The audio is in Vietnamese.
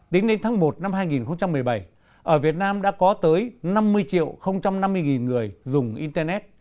tính đến tháng một năm hai nghìn một mươi bảy ở việt nam đã có tới năm mươi triệu năm mươi người dùng internet